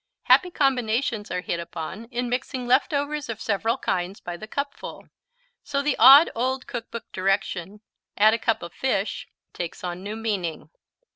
Happy combinations are hit upon in mixing leftovers of several kinds by the cupful. So the odd old cookbook direction, "Add a cup of fish," takes on new meaning.